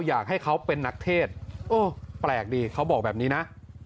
อยากให้เขาเป็นนักเทศโอ้แปลกดีเขาบอกแบบนี้นะ